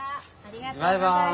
バイバーイ。